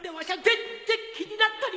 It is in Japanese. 全然気になっとりません！